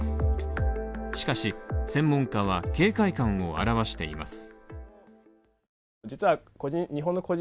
しかし、専門家は警戒感を表しています。